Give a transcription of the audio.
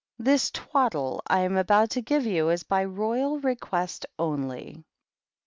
This Twaddle I am about to give you is by Royal Request only.